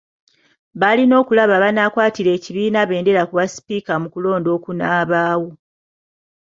Balina okulaba abanaakwatira ekibiina bbendera ku bwa Sipiika mu kulonda okunaabaawo.